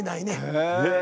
へえ。